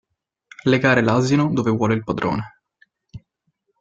Legare l'asino dove vuole il padrone.